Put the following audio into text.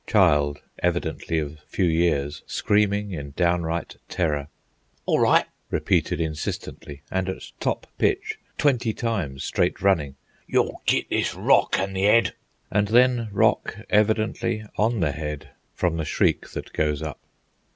child, evidently of few years, screaming in downright terror. "Awright," repeated insistently and at top pitch twenty times straight running; "you'll git this rock on the 'ead!" and then rock evidently on the head from the shriek that goes up.